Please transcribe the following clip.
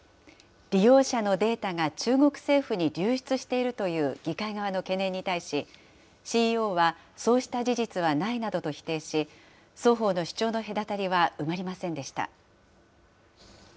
利用者のデータが中国政府に流出しているという議会側の懸念に対し、ＣＥＯは、そうした事実はないなどと否定し、双方の主張の隔たりは埋まりませんでした。